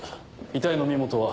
遺体の身元は？